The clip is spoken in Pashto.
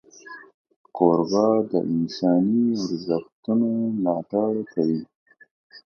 کوربه د انساني ارزښتونو ملاتړ کوي.